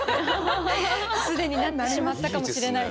既になってしまったかもしれないです。